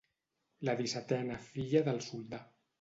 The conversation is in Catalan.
La dissetena filla del soldà.